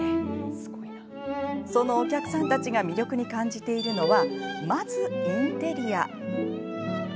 そのお客さんたちが魅力に感じているのはまず、インテリア。